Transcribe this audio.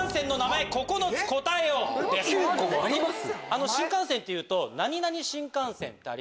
９個もあります？